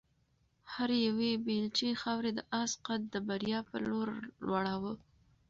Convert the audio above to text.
هرې یوې بیلچې خاورې د آس قد د بریا په لور لوړاوه.